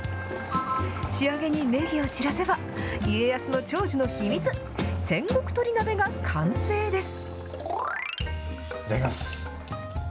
仕上げにねぎを散らせば、家康の長寿の秘密、戦国鳥鍋が完成です。